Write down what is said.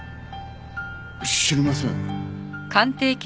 知りません。